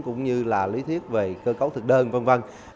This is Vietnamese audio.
cũng như là lý thuyết về cơ cấu thực đơn v v